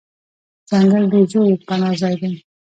ځنګل د ژوو پناه ځای دی.